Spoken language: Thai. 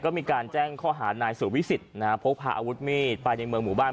ก็มีการแจ้งข้อหานายสุวิสิตนะฮะพกพาอาวุธมีดไปในเมืองหมู่บ้าน